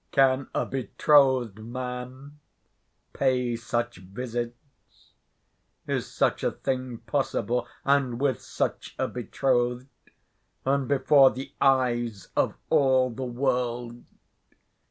"Can a betrothed man pay such visits? Is such a thing possible and with such a betrothed, and before the eyes of all the world?